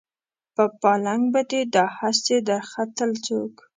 په پالنګ به دې دا هسې درختل څوک